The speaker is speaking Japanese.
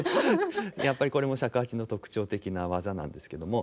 やっぱりこれも尺八の特徴的な技なんですけども。